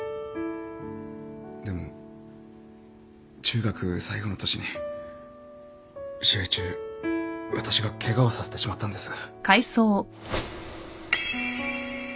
でも中学最後の年に試合中私がケガをさせてしまったんです。